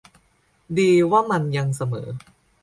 ดีว่ามันยังเสมอ